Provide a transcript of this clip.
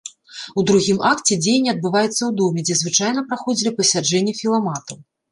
У другім акце дзеянне адбываецца ў доме, дзе звычайна праходзілі пасяджэнні філаматаў.